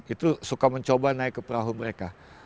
itu suka mencoba naik ke perahu mereka